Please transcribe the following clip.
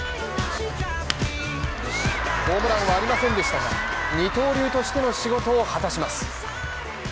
ホームランはありませんでしたが二刀流としての仕事を果たします。